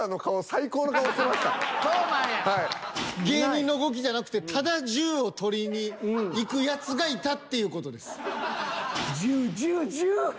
芸人の動きじゃなくてただ１０を獲りにいくやつがいたっていう事です。